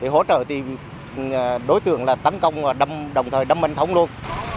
hỗ trợ thì đối tượng tấn công đồng thời đâm anh thống luôn